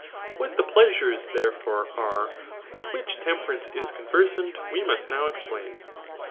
What the pleasures, therefore, are, with which temper* ance is conversant, we must now explain.